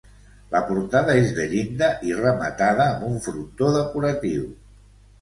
La portada és de llinda i rematada amb un frontó decoratiu.